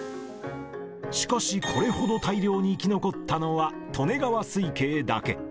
しかし、これほど大量に生き残ったのは利根川水系だけ。